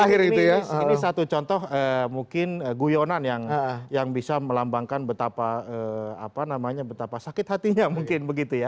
ini satu contoh mungkin guyonan yang bisa melambangkan betapa sakit hatinya mungkin begitu ya